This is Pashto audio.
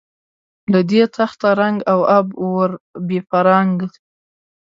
له دې تخته رنګ او آب ور بپراګند.